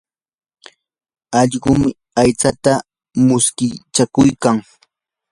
allqum aytsata muskiykachaykan.